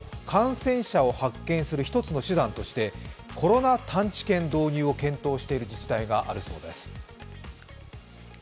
なんと感染者を発見する一つの手段としてコロナ探知犬導入を検討している自治体があるそうです。